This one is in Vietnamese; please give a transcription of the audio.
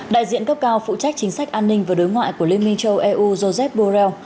đại diện cấp cao phụ trách chính sách an ninh và đối ngoại của liên minh châu eu joseph borrell